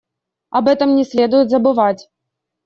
Об этом не следует забывать.